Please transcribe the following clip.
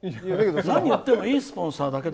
何、言ってもいいスポンサーだもん。